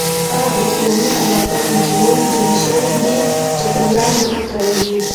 هغه برېښنايي الوتکې چې نوې جوړې شوي دي چاپیریال نه ککړوي.